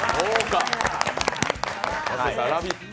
「ラヴィット！」